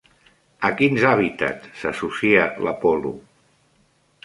A quins hàbitats s'associa l'apol·lo?